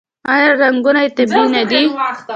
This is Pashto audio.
آیا رنګونه یې طبیعي نه دي؟